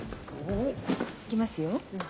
いきますよ。